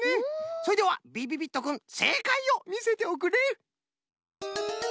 それではびびびっとくんせいかいをみせておくれ！